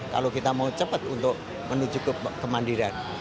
kalau kita mau cepat untuk menuju ke kemandirian